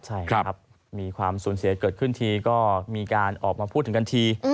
ใช่ครับมีความสูญเสียเกิดขึ้นทีก็มีการออกมาพูดถึงกันที